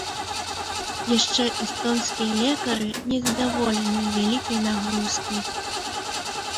Яшчэ эстонскія лекары не задаволеныя вялікай нагрузкай.